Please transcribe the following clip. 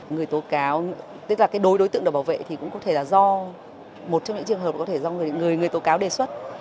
người tố cáo tức là cái đối đối tượng được bảo vệ thì cũng có thể là do một trong những trường hợp có thể do người người tố cáo đề xuất